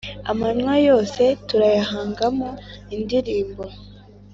Amanywa yose turayahangamo indirimbo